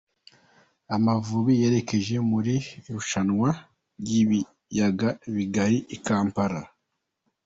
Amavubi yerekeje muri irushanywa ryibiyaga bigari i Kampala